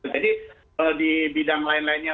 jadi di bidang lain lainnya